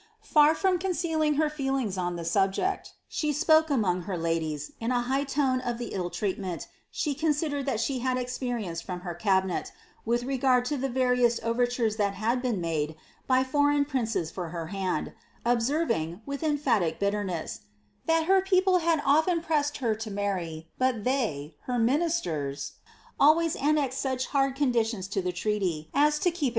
Far from concealing her feelings on this subject, she spoke, uiiong her ladies, in a high tone of the ill treatment, she considered that giie had experienced from her cabinet, with regard to the various overtures that had been made by foreign princes for her hand, observ ing, uith emphatic bitterness, ^^ that her people liad often pressed her to ourr}', but they, her ministers, always annexed such hard conditions to >l)ci>c)iet lie la Motile FeneJon, foJ. iij^ pp.